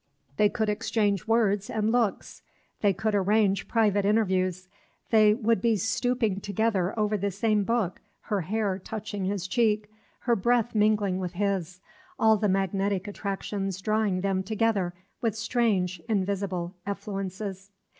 They could exchange words and looks, they could arrange private interviews, they would be stooping together over the same book, her hair touching his cheek, her breath mingling with his, all the magnetic attractions drawing them together with strange, invisible effluences.